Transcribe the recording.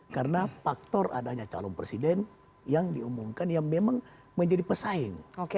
karena faktor adanya calon presiden yang diumumkan yang memang menjadi pesaing